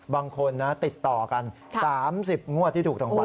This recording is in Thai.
บางคนนะติดต่อกัน๓๐งวดที่ถูกรางวัล